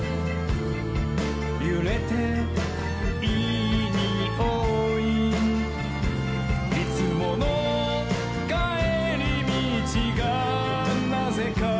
「ゆれていいにおい」「いつものかえりみちがなぜか」